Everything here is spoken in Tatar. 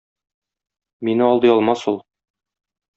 Мине алдый алмас ул.